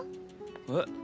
えっ？